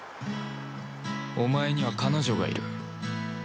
お前には彼女がいる